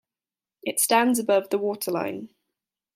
It stands above the waterline.